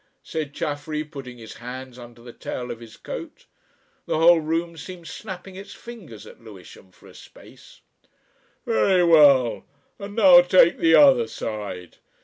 said Chaffery, putting his hands under the tail of his coat. The whole room seemed snapping its fingers at Lewisham for a space. "Very well, and now take the other side.